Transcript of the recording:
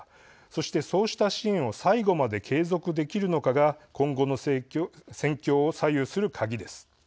そして、そうした支援を最後まで継続できるのかが今後の戦況を左右する鍵です。